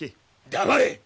黙れ！